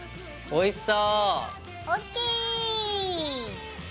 おいしそ。